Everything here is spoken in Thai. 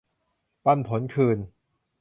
ปันผลคืน